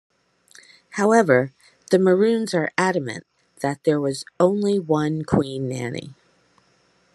However, the Maroons are adamant that there was only one Queen Nanny.